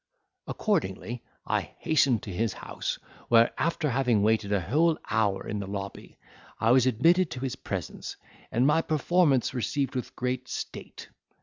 Accordingly, I hastened to his house, where after having waited a whole hour in the lobby, I was admitted to his presence, and my performance received with great state.